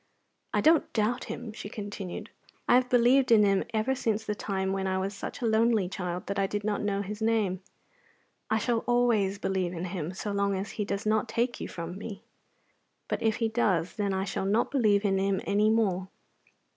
"I don't doubt Him," she continued. "I have believed in Him ever since the time when I was such a lonely child that I did not know His name. I shall always believe in Him so long as He does not take you from me. But if He does, then I shall not believe in Him any more.